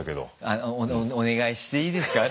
「あのお願いしていいですか」